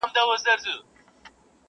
تا ښخ کړئ د سړو په خوا کي سپی دی.